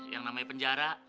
yang namanya penjara